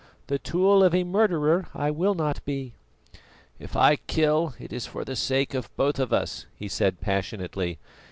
The tool of a murderer I will not be!" "If I kill, it is for the sake of both of us," he said passionately.